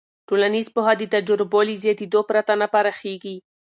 ټولنیز پوهه د تجربو له زیاتېدو پرته نه پراخېږي.